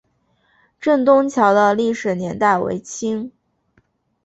镇东桥的历史年代为清。